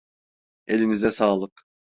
Elinize sağlık.